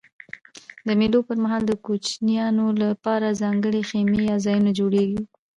د مېلو پر مهال د کوچنيانو له پاره ځانګړي خیمې یا ځایونه جوړېږي.